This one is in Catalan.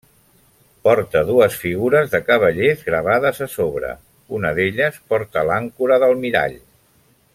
Porta dues figures de cavallers gravades a sobre: una d'elles porta l'àncora d'almirall.